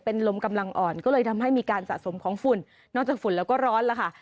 เป็นลมกำลังอ่อนก็เลยทำให้มีการสะสมของฝุ่นนอกจากฝุ่นแล้วก็ร้อนแล้วค่ะ